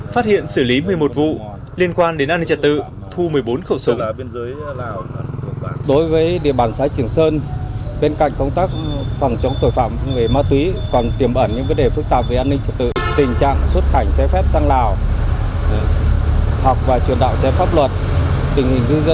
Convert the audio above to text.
phát hiện xử lý một mươi một vụ liên quan đến an ninh trật tự thu một mươi bốn khẩu sụng